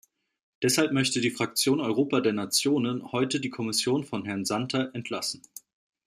Deshalb möchte die Fraktion Europa der Nationen heute die Kommission von Herrn Santer entlassen.